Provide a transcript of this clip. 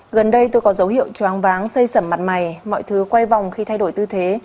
gần đây tôi có dấu hiệu choang váng xây sẩm mặt mày mọi thứ quay vòng khi thay đổi tư thế